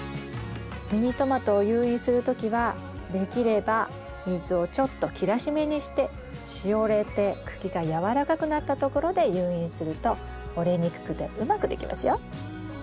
ミニトマトを誘引する時はできれば水をちょっと切らしめにしてしおれて茎がやわらかくなったところで誘引すると折れにくくてうまくできますよ。